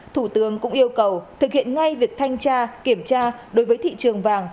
thủ tướng cũng yêu cầu thực hiện ngay việc thanh tra kiểm tra đối với thị trường vàng